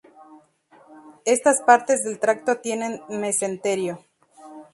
Estas partes del tracto tienen mesenterio.